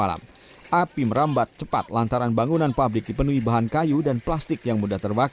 api merambat cepat karena bangunan terbuat dari kayu dan bahan plastik